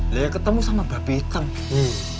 lea ketemu sama babi hitamnya